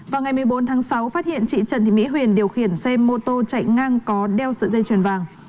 vào ngày một mươi bốn tháng sáu phát hiện chị trần thị mỹ huyền điều khiển xe mô tô chạy ngang có đeo sợi dây chuyền vàng